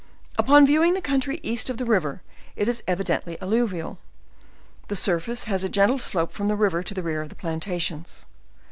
Upon viewing the country east of the river, it is evidently alluvial; the surface has a gentle slope from the river to the rear of the plantations.